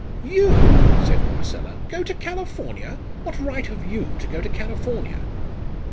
"You," said Marcella, "go to California! What right have you to go to California?"